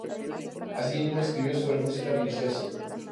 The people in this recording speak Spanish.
Asimismo, escribió sobre música religiosa.